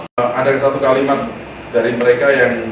ada yang satu kalimat dari mereka yang